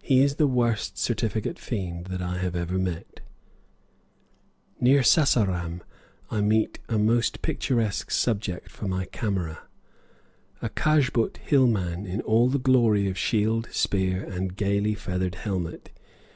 He is the worst "certificate fiend" that I have met. Near Sassaram I meet a most picturesque subject for my camera, a Kajput hill man in all the glory of shield, spear, and gayly feathered helmet.